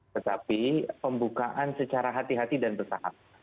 tetapi pembukaan secara hati hati dan bertahap